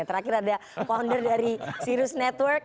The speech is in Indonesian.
terakhir ada founder dari sirus network